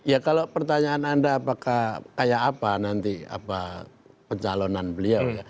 ya kalau pertanyaan anda apakah kayak apa nanti pencalonan beliau ya